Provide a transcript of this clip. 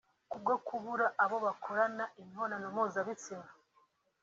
Kubwo kubura abo bakorana imibonano mpuzabitsina